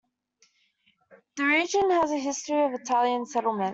The region has a history of Italian settlement.